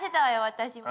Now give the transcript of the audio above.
私も。